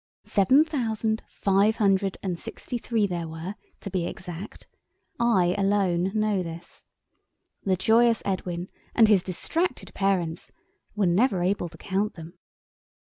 Seven thousand five hundred and sixty three there were, to be exact. I alone know this. The joyous Edwin and his distracted parents were never able to count them.